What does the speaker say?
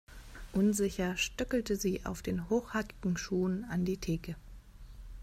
Unsicher stöckelte sie auf den hochhackigen Schuhen an die Theke.